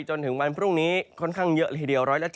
จนถึงวันพรุ่งนี้ค่อนข้างเยอะละทีเดียว๑๗